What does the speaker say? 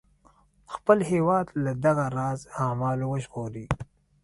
خپل هیواد له دغه راز اعمالو وژغوري.